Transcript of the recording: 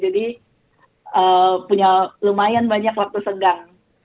jadi punya lumayan banyak waktu senggang